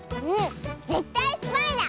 ぜったいスパイだ！